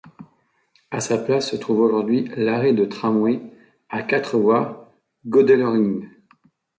À sa place se trouve aujourd'hui l'arrêt de tramway à quatre voies Goerdelerring.